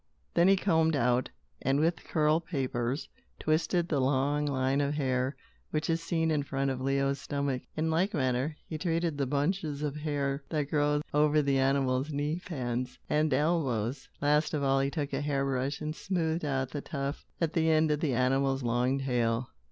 Then he combed out, and, with curl papers, twisted the long line of hair, which is seen in front of Leo's stomach. In like manner, he treated the bunches of hair that grow over the animal's kneepans and elbows. Last of all, he took a hair brush, and smoothed out the tuft, at the end of the animal's long tail.